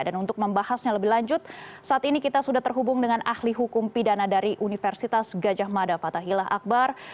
dan untuk membahasnya lebih lanjut saat ini kita sudah terhubung dengan ahli hukum pidana dari universitas gajah mada fathahila akbar